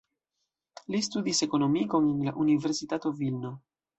Li studis ekonomikon en la Universitato Vilno.